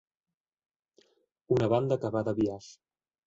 Una banda que va de biaix.